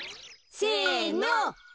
せの。